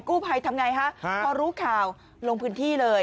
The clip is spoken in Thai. กู้ภัยทำไงฮะพอรู้ข่าวลงพื้นที่เลย